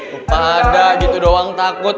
gupada gitu doang takut